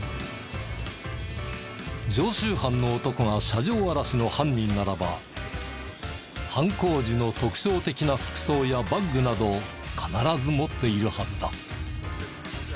常習犯の男が車上あらしの犯人ならば犯行時の特徴的な服装やバッグなどを必ず持っているはずだ。